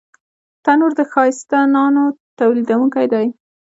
تنور د ښایسته نانو تولیدوونکی دی